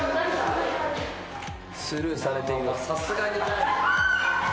スルーされています。